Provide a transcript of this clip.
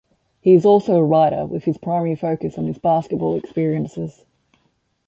He is also a writer, with his primary focus on his basketball experiences.